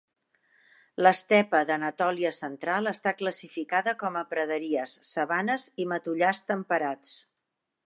L'estepa d'Anatòlia Central està classificada com a praderies, sabanes i matollars temperats.